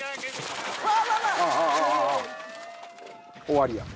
終わりや。